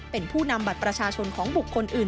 เป็นผู้นำบัตรประชาชนของบุคคลอื่น